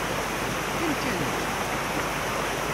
Qim kan da!